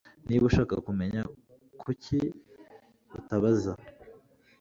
Niba ushaka kumenya, kuki utabaza ?